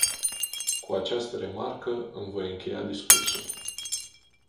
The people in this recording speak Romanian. Cu această remarcă îmi voi încheia discursul.